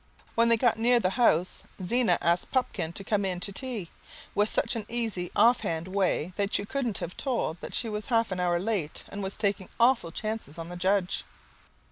When they got near the house, Zena asked Pupkin to come in to tea, with such an easy off hand way that you couldn't have told that she was half an hour late and was taking awful chances on the judge.